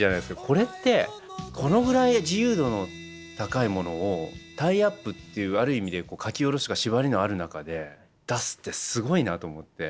これってこのぐらい自由度の高いものをタイアップっていうある意味で書き下ろしというか縛りのある中で出すってすごいなと思って。